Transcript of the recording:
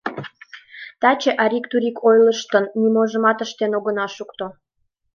Таче арик-турик ойлыштын ниможымат ыштен огына шукто.